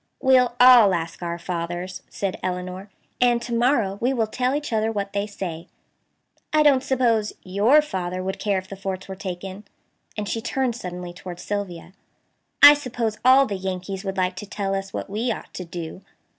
"We'll all ask our fathers," said Elinor, "and to morrow we will tell each other what they say. I don't suppose YOUR father would care if the forts were taken," and she turned suddenly toward Sylvia. "I suppose all the Yankees would like to tell us what we ought to do."